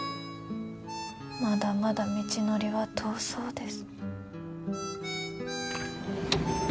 まだまだ道のりは遠そうです